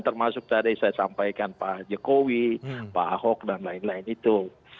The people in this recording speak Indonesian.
termasuk tadi saya sampaikan pak jokowi pak ahok dan lain lain itu